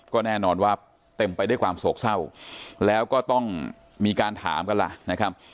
ก็แน่นอนว่าเต็มไปด้วยความโศกเศร้าแล้วก็ต้องมีการถามกันล่ะนะครับ